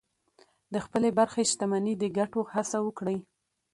د خپلې برخې شتمني د ګټلو هڅه وکړئ.